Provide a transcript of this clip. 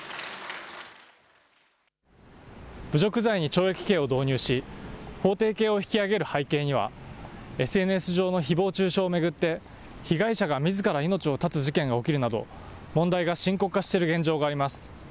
侮辱罪に懲役刑を導入し法定刑を引き上げる背景にはＳＮＳ上のひぼう中傷を巡って被害者がみずから命を絶つ事件が起きるなど問題が深刻化している現状があります。